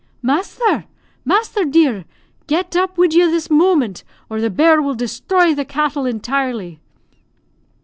"Masther, masther, dear! Get up wid you this moment, or the bear will desthroy the cattle intirely."